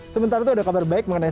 sementara itu ada kabar baik mengenai